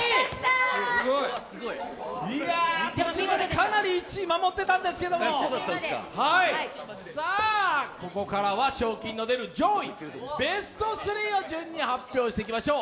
かなり１位守ってたんですけれどもここからは賞金の出る上位ベスト３を順に発表していきましょう。